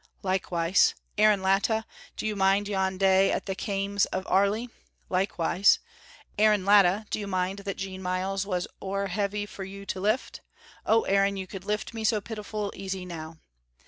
likewise, 'Aaron Latta, do you mind yon day at the Kaims of Airlie?' likewise, 'Aaron Latta, do you mind that Jean Myles was ower heavy for you to lift? Oh, Aaron, you could lift me so pitiful easy now.'